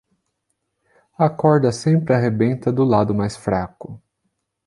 A corda sempre arrebenta do lado mais fraco